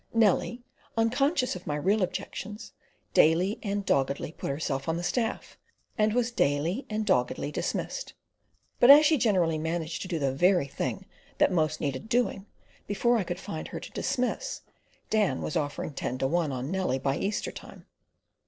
Nellie, unconscious of my real objections, daily and doggedly put herself on the staff, and was daily and doggedly dismissed. But as she generally managed to do the very thing that most needed doing, before I could find her to dismiss, Dan was offering ten to one on Nellie by Easter time.